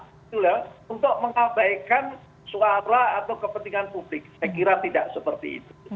saya kira tidak seperti itu